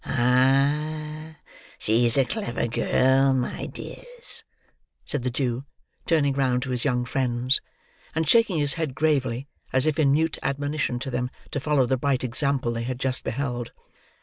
"Ah, she's a clever girl, my dears," said the Jew, turning round to his young friends, and shaking his head gravely, as if in mute admonition to them to follow the bright example they had just beheld.